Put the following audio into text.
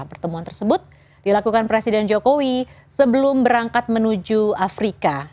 pertemuan tersebut dilakukan presiden jokowi sebelum berangkat menuju afrika